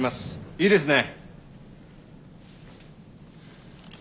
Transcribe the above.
いいですね。